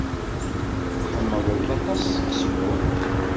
Tḥemmleḍ aṭas seksu?